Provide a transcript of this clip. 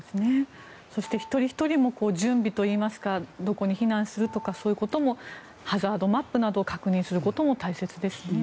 そして、一人ひとりも準備といいますかどこに避難するとかそういうこともハザードマップを確認することも大切ですね。